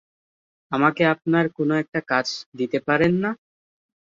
আমাকে আপনার কোনো একটা কাজ দিতে পারেন না?